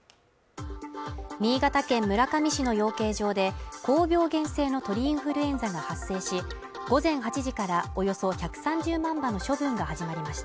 新潟県村上市の養鶏場で高病原性の鳥インフルエンザが発生し午前８時からおよそ１３０万羽の処分が始まりました